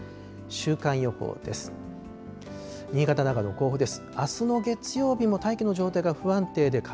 週間予報です。